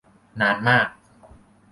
นานมาก